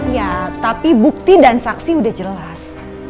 ya tapi bukti dan saksi sudah jelas